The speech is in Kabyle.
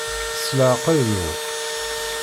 S leɛqel-nwen.